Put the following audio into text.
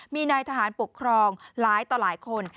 มีนายทหารปกครองหลายต่อหลายคน